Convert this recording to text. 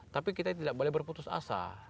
tapi kita tidak boleh berputus asa